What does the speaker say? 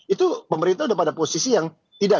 itu pemerintah sudah pada posisi yang tidak